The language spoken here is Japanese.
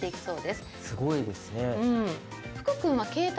すごいですね。